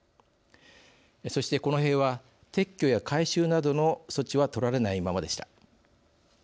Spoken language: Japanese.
そしてこの塀は撤去や改修などの措置は取られないままでした。